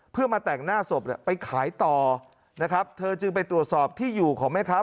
เพื่อมาแต่งหน้าศพไปขายต่อนะครับเธอจึงไปตรวจสอบที่อยู่ของแม่ค้า